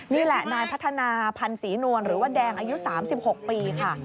นี่แหละนายพัฒนาพันธ์ศรีนวลหรือว่าแดงอายุ๓๖ปีค่ะ